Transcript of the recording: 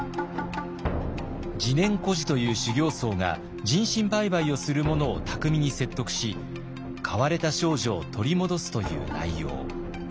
自然居士という修行僧が人身売買をする者を巧みに説得し買われた少女を取り戻すという内容。